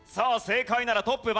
正解ならトップ